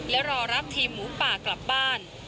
และรอรับทีมหมูป่ากลับบ้าน